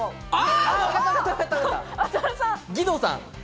義堂さん。